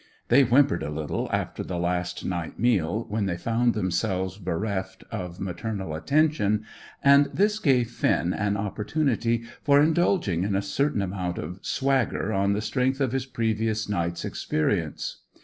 They whimpered a little after the last night meal, when they found themselves bereft of maternal attention, and this gave Finn an opportunity for indulging in a certain amount of swagger on the strength of his previous night's experience.